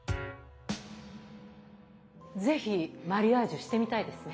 是非マリアージュしてみたいですね。